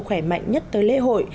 khỏe mạnh nhất tới lễ hội